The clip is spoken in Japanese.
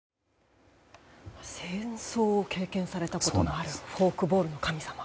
戦争を経験されたことがあるフォークボールの神様。